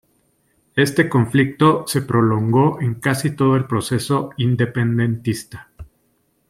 Este conflicto se prolongó en casi todo el proceso independentista.